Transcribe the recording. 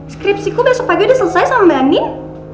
skripsiku besok pagi udah selesai sama melanin